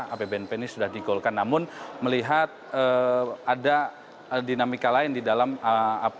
apbnp ini sudah digolkan namun melihat ada dinamika lain di dalam apbn